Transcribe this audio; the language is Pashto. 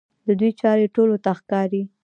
د دوی چارې ټولو ته ښکاره دي.